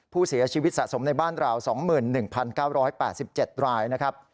ผู้เสียชีวิตสะสมในบ้านราว๒๑๙๘๗รายนะครับ